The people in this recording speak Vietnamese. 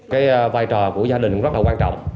cái vai trò của gia đình rất là quan trọng